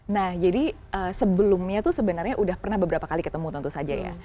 nah jadi sebelumnya tuh sebenarnya udah pernah beberapa kali ketemu tentu saja ya